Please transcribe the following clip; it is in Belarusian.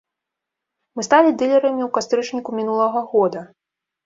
Мы сталі дылерамі ў кастрычніку мінулага года.